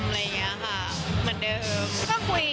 อะไรอย่างนี้ค่ะเหมือนเดิมก็คุย